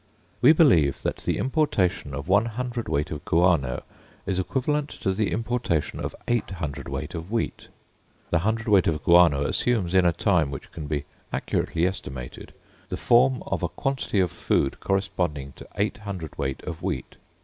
We believe that the importation of one hundred weight of guano is equivalent to the importation of eight hundred weight of wheat the hundred weight of guano assumes in a time which can be accurately estimated the form of a quantity of food corresponding to eight hundred weight of wheat.